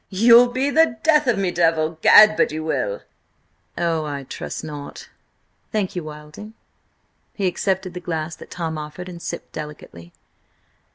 "You'll be the death of me, Devil! Gad! but you will!" "Oh, I trust not. Thank you, Wilding." He accepted the glass that Tom offered, and sipped delicately.